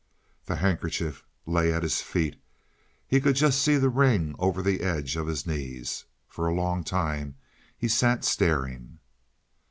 The handkerchief lay at his feet; he could just see the ring over the edge of his knees. For a long time he sat staring.